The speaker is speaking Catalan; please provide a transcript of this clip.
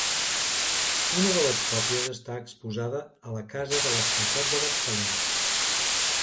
Una de les còpies està exposada a la Casa de la Ciutat de Barcelona.